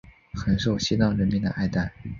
很受西藏人民的爱戴。